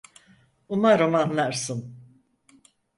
Umarım anlarsın.